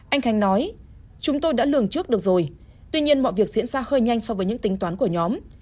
anh khánh nói chúng tôi đã lường trước được rồi tuy nhiên mọi việc diễn ra khơi nhanh so với những tính toán của nhóm